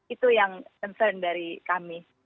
itu yang concern dari kami